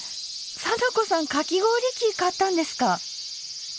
貞子さんかき氷器買ったんですか？